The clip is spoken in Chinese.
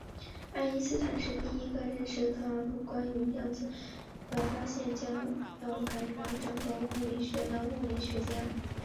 爱因斯坦是第一个意识到普朗克关于量子的发现将要改写整个物理学的物理学家。